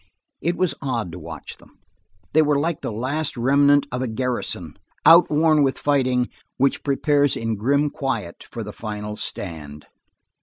It was odd to watch them. They were like the last remnant of a garrison, outworn with fighting, which prepares in grim quiet for the final stand.